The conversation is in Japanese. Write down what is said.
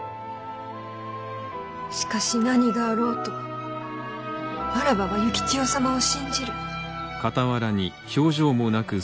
しかし何があろうとわらわは幸千代様を信じる。